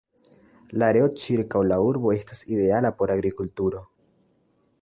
La areo ĉirkaŭ la urbo estas ideala por agrikulturo.